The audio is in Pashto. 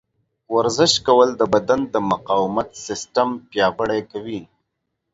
ورزش کول د بدن د مقاومت سیستم پیاوړی کوي.